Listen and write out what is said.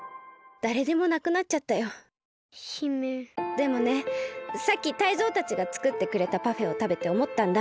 でもねさっきタイゾウたちがつくってくれたパフェをたべておもったんだ。